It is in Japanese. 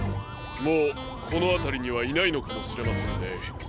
もうこのあたりにはいないのかもしれませんね。